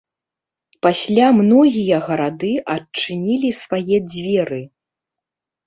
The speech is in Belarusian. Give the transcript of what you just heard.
Пасля, многія гарады адчынілі свае дзверы.